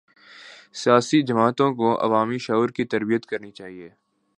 سیاسی جماعتوں کو عوامی شعور کی تربیت کرنی چاہیے۔